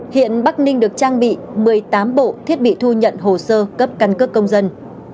hiện bắc ninh được trang bị một mươi tám bộ thiết bị thu nhận hồ sơ cấp căn cước công dân